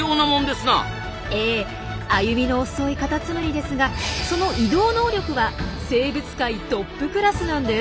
歩みの遅いカタツムリですがその移動能力は生物界トップクラスなんです。